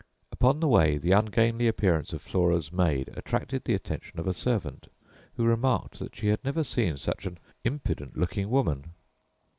Upon the way the ungainly appearance of Flora's maid attracted the attention of a servant, who remarked that she had never seen such an impudent looking woman.